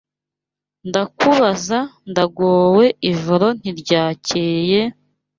Ndakubaza ndagowe, ijoro ntiryacyeye,